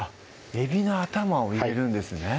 えびの頭を入れるんですね